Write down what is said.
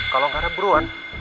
kalau enggak ya buruan